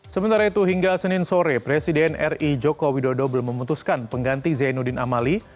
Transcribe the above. sementara itu hingga senin sore presiden ri joko widodo belum memutuskan pengganti zainuddin amali